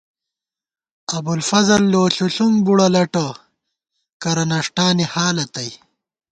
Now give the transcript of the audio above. ابُوالفضل لو ݪُݪُونگ بُوڑہ لٹہ، کرہ نݭٹانی حالہ تئ